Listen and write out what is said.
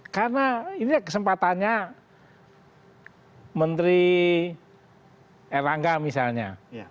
karena ini kesempatannya menteri erlangga misalnya